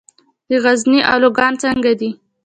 د غزني الوګان څنګه دي؟